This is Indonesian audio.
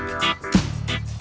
ada urusan keluarga